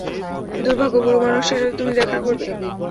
দুর্ভাগা, বুড়ো মানুষটার সাথে তুমি দেখা করবে।